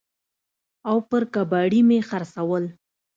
او پر کباړي مې خرڅول.